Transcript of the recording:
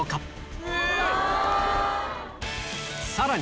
さらに